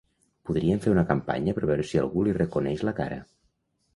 Podríem fer una campanya per veure si algú li reconeix la cara.